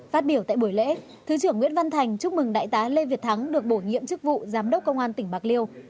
phát biểu tại buổi lễ thứ trưởng nguyễn văn thành chúc mừng đại tá lê việt thắng được bổ nhiệm chức vụ giám đốc công an tỉnh bạc liêu